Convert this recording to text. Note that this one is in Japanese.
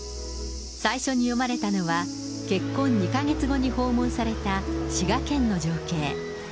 最初に詠まれたのは、結婚２か月後に訪問された滋賀県の情景。